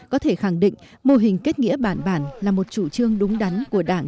có thể khẳng định mô hình kết nghĩa bản bản là một chủ trương đúng đắn của đảng